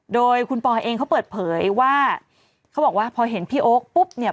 โดยคุณปอยเองเขาเปิดเผยว่าเขาบอกว่าพอเห็นพี่โอ๊คปุ๊บเนี่ย